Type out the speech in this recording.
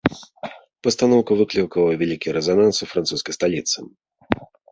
Пастаноўка выклікала вялікі рэзананс у французскай сталіцы.